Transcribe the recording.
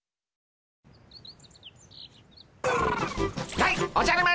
やいおじゃる丸